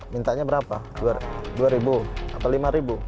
mintanya berapa dua atau lima